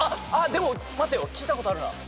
でも待てよ聞いたことあるな。